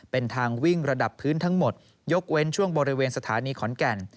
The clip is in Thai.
เป็นทางวิ่งระดับพื้นทั้งหมดยกเว้นช่วงบริเวณสถานีขอนแก่น